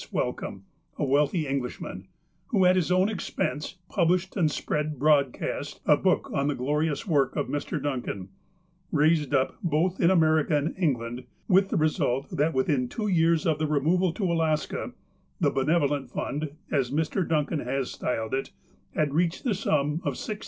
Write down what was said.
Wellcome, a wealthy Englishman, who, at his own expense, published and spread broadcast a book on the glorious work of Mr. Duncan, raised up, both in America and England, with the result that within two years of the removal to Alaska, the "Be nevolent Fund," as Mr. Duncan has styled it, had reached the sum of $6,591.